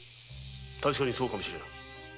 確かにそうかも知れん。